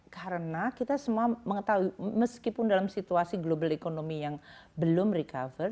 karena kita semua mengetahui meskipun dalam situasi global economy yang belum recover